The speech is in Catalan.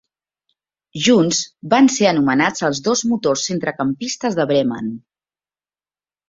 Junts, van ser anomenats els dos motors centrecampistes del Bremen.